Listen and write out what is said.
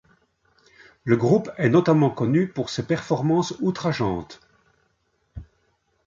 Le groupe est notamment connu pour ses performances outrageantes.